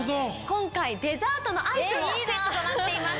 今回デザートのアイスもセットとなっています。